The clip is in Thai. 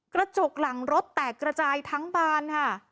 กระจกหลังรถแตกระจายทั้งบานค่ะ